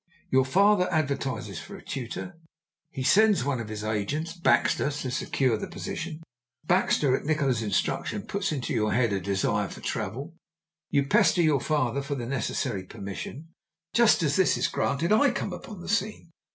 Your father advertises for a tutor; he sends one of his agents Baxter to secure the position. Baxter, at Nikola's instruction, puts into your head a desire for travel. You pester your father for the necessary permission. Just as this is granted I come upon the scene.